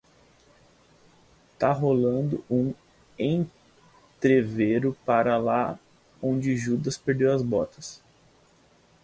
Tá rolando um entrevero pra lá onde Judas perdeu as botas